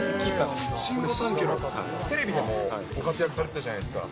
テレビでもご活躍されてたじゃないですか。